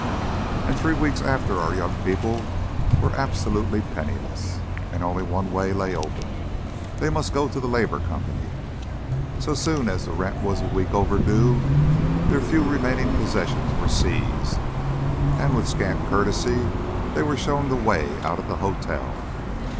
And three weeks after our young people were absolutely penniless, and only one way lay open. They must go to the Labour Company. So soon as the rent was a week overdue their few remaining possessions were seized, and with scant courtesy they were shown the way out of the hotel.